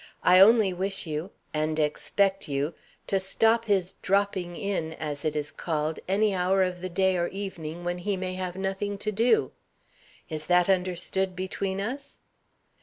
I only wish you (and expect you) to stop his 'dropping in,' as it is called, any hour of the day or evening when he may have nothing to do. Is that understood between us?"